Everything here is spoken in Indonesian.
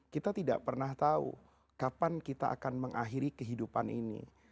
kita tidak pernah tahu kapan kita akan mengakhiri kehidupan ini